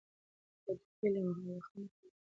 هډوکي یې له ملخانو خوندي وي.